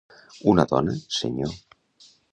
Una dona, senyor.